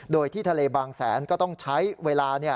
โดยที่ทะเลบางแสนก็ต้องใช้เวลา